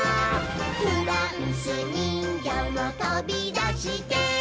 「フランスにんぎょうもとびだして」